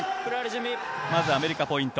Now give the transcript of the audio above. まずアメリカ、ポイント。